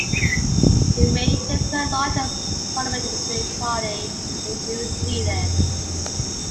They remained the third largest parliamentary party in New Zealand.